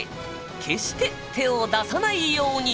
決して手を出さないように。